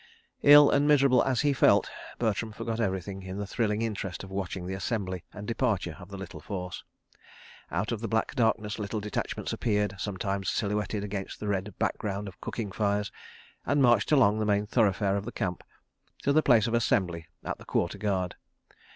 ... Ill and miserable as he felt, Bertram forgot everything in the thrilling interest of watching the assembly and departure of the little force. Out of the black darkness little detachments appeared, sometimes silhouetted against the red background of cooking fires, and marched along the main thoroughfare of the Camp to the place of assembly at the quarter guard.